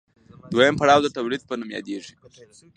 دویم پړاو د تولید په نوم یادېږي